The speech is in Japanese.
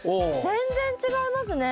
全然違いますね。